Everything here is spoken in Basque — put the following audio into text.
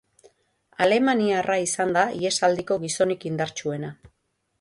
Alemaniarra izan da ihesaldiko gizonik indartsuena.